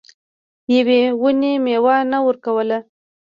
یوې ونې میوه نه ورکوله.